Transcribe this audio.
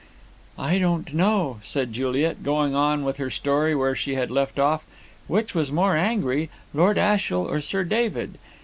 "I don't know," said Juliet, going on with her story where she had left off, "which was more angry, Lord Ashiel or Sir David.